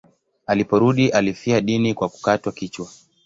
Aliporudi alifia dini kwa kukatwa kichwa.